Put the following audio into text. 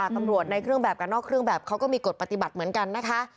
ตำรวจในเครื่องแบบกับนอกเครื่องแบบเขาก็มีกฎปฏิบัติเหมือนกันนะคะ